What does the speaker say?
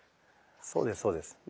そうですそうです。